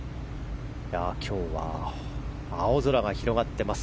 今日は青空が広がっています。